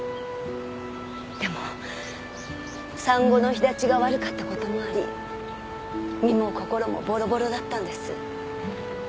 でも産後の肥立ちが悪かった事もあり身も心もボロボロだったんです。